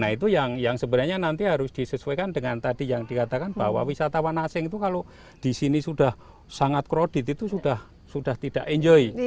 nah itu yang sebenarnya nanti harus disesuaikan dengan tadi yang dikatakan bahwa wisatawan asing itu kalau di sini sudah sangat krodit itu sudah tidak enjoy